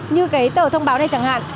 như cái tờ thông báo này chẳng hạn